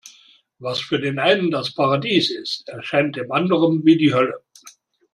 Was für den einen das Paradies ist, erscheint dem anderem wie die Hölle.